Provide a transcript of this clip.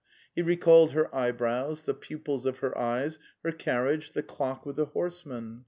He recalled her eyebrows, the pupils of her eyes, her carriage, the clock with the horseman.